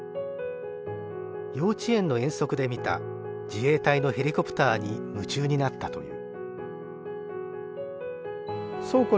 幼稚園の遠足で見た自衛隊のヘリコプターに夢中になったという。